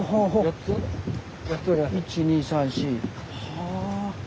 はあ。